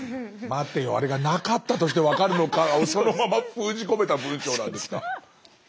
待てよあれがなかったとして分かるのかをそのまま封じ込めた文章なんですか。